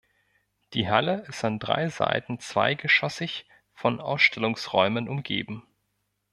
Die Halle ist an drei Seiten zweigeschossig von Ausstellungsräumen umgeben.